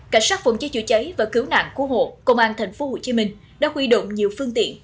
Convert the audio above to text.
cảnh sát phòng chế chữa cháy và cứu nạn cứu hộ công an tp hcm đã huy động nhiều phương tiện